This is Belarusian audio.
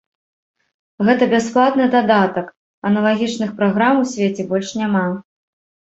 Гэта бясплатны дадатак, аналагічных праграм у свеце больш няма.